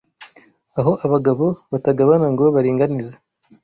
Aho abagabo batagabana ngo baringanize